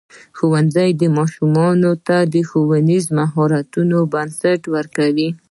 ښوونځی ماشومانو ته د ښوونیزو مهارتونو بنسټونه ورکوي.